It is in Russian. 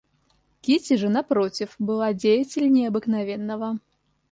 Кити же, напротив, была деятельнее обыкновенного.